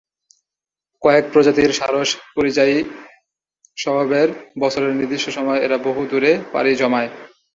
কয়েক প্রজাতির সারস পরিযায়ী স্বভাবের; বছরের নির্দিষ্ট সময়ে এরা বহু দূরে পাড়ি জমায়।